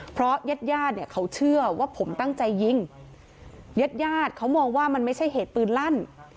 เพราะเย็ดเขาเชื่อว่าผมตั้งใจยิงเย็ดเขามองว่ามันไม่ใช่เหตุปืนลั่น